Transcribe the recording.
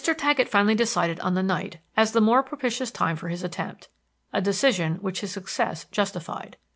Taggett finally decided on the night as the more propitious time for his attempt, a decision which his success justified.